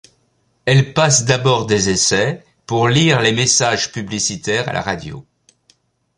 Elle passe d'abord des essais pour lire les messages publicitaires à la radio.